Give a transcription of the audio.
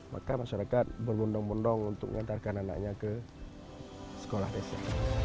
maka masyarakat berbondong bondong untuk mengantarkan anaknya ke sekolah desa